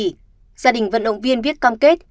gia đình vận động viên viết cam kết